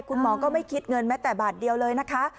คุณหมอก็ไม่คิดเงินแม้แต่บาทเดียวเลยนะคะ